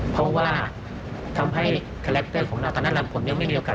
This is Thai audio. เพราะว่าทำให้คาแรคเตอร์ของเราตอนนั้นผมยังไม่มีโอกาส